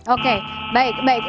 oke baik baik